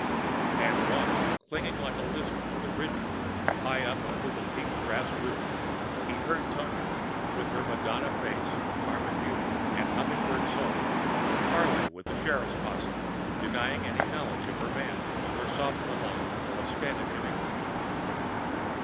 And once, clinging like a lizard to the ridge pole, high up under the peaked grass roof, he had heard Tonia, with her Madonna face and Carmen beauty and humming bird soul, parley with the sheriff's posse, denying knowledge of her man in her soft mélange of Spanish and English.